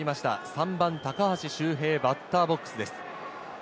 ３番・高橋周平、バッターボックスです。